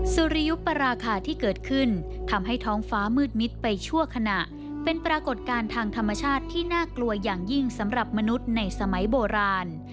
สุริยุปราคาที่เกิดขึ้นทำให้ท้องฟ้ามืดมิดไปชั่วขณะเป็นปรากฏการณ์ทางธรรมชาติที่น่ากลัวอย่างยิ่งสำหรับมนุษย์ในสมัยโบราณ